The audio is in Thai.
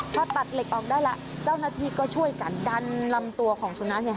พอตัดเหล็กออกได้แล้วเจ้าหน้าที่ก็ช่วยกันดันลำตัวของสุนัข